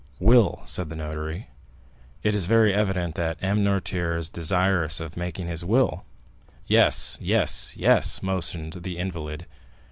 "Will," said the notary; "it is very evident that M. Noirtier is desirous of making his will." "Yes, yes, yes," motioned the invalid.